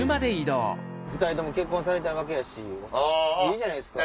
２人とも結婚されたわけやしいいじゃないですか。